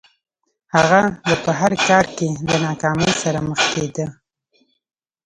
هغه به په هر کار کې له ناکامۍ سره مخ کېده